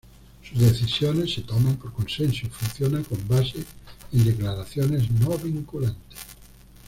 Sus decisiones se toman por consenso y funciona con base en declaraciones no vinculantes.